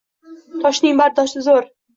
Toshning bardoshi zo`r